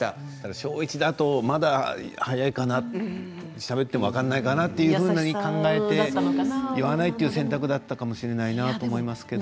小１だと、まだ早いかなしゃべっても分からないかなと考えて言わないという選択だったかもしれないなと思いますけれど。